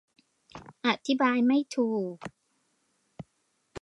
อธิบายไม่ถูก